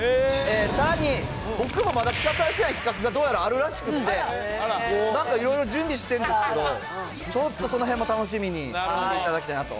さらに僕もまだ聞かされてない企画がどうやらあるらしくって、なんかいろいろ準備してるんですけど、ちょっとそのへんも楽しみにいただきたいなと。